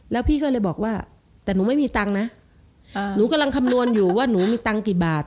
แล้วพี่ก็เลยบอกว่าแต่หนูไม่มีตังค์นะหนูกำลังคำนวณอยู่ว่าหนูมีตังค์กี่บาท